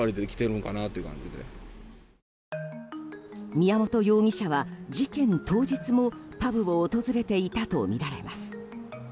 宮本容疑者は事件当日もパブを訪れていたとみられます。